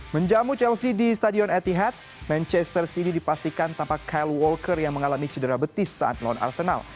menjamu chelsea di stadion etihad manchester city dipastikan tanpa kyle walker yang mengalami cedera betis saat non arsenal